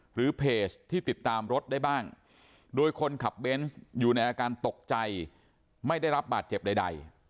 หรือเพจที่ติดตามรถได้บ้างโดยคนขับเบนส์อยู่ในอาการตกใจไม่ได้รับบาดเจ็บใด